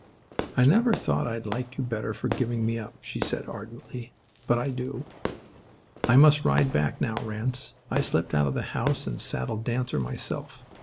"I never thought I'd like you better for giving me up," she said ardently, "but I do. I must ride back now, Ranse. I slipped out of the house and saddled Dancer myself.